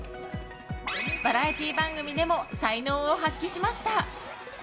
バラエティー番組でも才能を発揮しました。